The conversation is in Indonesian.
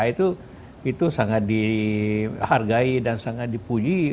itu sangat dihargai dan sangat dipuji